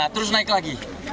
terus naik lagi